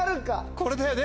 これだよね